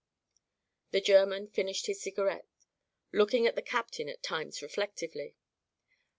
The German finished his cigarette, looking at the captain at times reflectively.